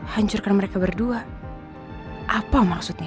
hancurkan mereka berdua apa maksudnya